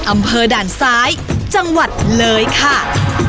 อำเภอด่านซ้ายจังหวัดเลยค่ะ